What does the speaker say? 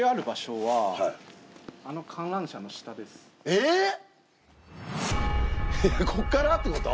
ええこっからってこと？